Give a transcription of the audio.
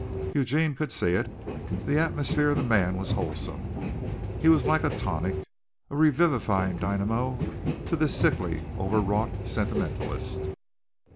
Eugene could see it. The atmosphere of the man was wholesome. He was like a tonic a revivifying dynamo to this sickly overwrought sentimentalist.